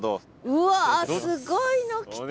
うわすごいの来た。